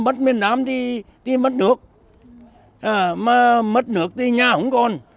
bắt miền nam thì mất nước mà mất nước thì nhà không còn